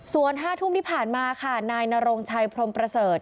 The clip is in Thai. ส่วน๕ทุ่มที่ผ่านมาค่ะนายนรงชัยพรมประเสริฐ